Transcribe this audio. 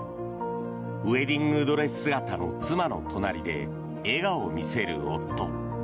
ウェディングドレス姿の妻の隣で笑顔を見せる夫。